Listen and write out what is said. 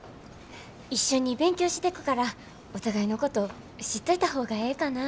一緒に勉強してくからお互いのこと知っといた方がええかなって。